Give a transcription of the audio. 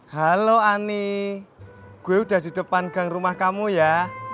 halo ani gue udah di depan gang rumah kamu ya